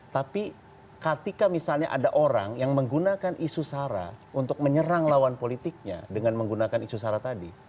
tapi ketika misalnya ada orang yang menggunakan isu sara untuk menyerang lawan politiknya dengan menggunakan isu sara tadi